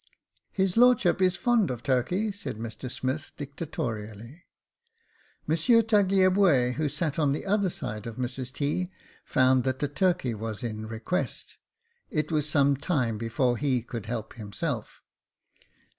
" His lordship is fond of turkey," said Mr Smith, dic tatorially. Monsieur Tagliabue, who sat on the other side of Mrs T., found that the turkey was in request — it was some time before he could help himself.